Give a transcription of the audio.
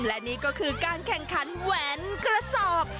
และนี่ก็คือการแข่งขันแหวนกระสอบ